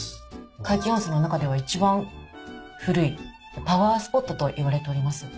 皆生温泉の中では一番古いパワースポットと言われております。